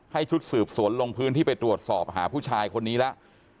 ชุดสืบสวนลงพื้นที่ไปตรวจสอบหาผู้ชายคนนี้แล้ว